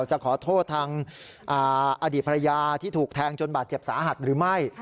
จะขอโทษทางอดีตภรรยาที่ถูกแทงจนบาดเจ็บสาหัสหรือไม่